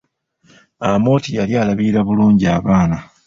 Amooti yali alabirira bulungi abaana.